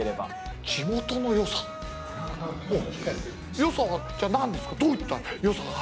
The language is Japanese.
「良さはじゃあ何ですか？」